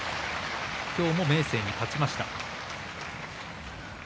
今日も明生に勝ちました。